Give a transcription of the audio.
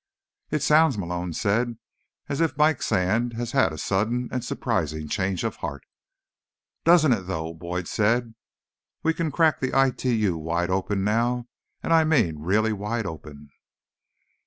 "It sounds," Malone said, "as if Mike Sand has had a sudden and surprising change of heart." "Doesn't it, though," Boyd said. "We can crack the ITU wide open now, and I mean really wide open."